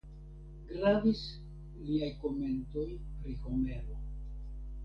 Gravis liaj komentoj pri Homero.